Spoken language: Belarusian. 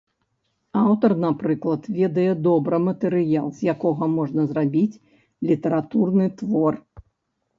Аўтар, напрыклад, ведае добра матэрыял, з якога можна зрабіць літаратурны твор.